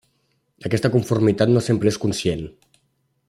Aquesta conformitat no sempre és conscient.